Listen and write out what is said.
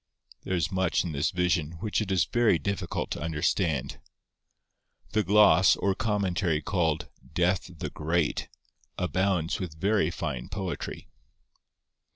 There is much in this vision which it is very difficult to understand. The gloss, or commentary, called 'Death the Great,' abounds with very fine poetry.